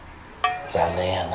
残念やな。